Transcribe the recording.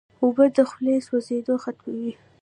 اوبه د خولې سوځېدنه ختموي.